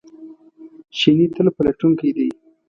چیني تل پلټونکی دی.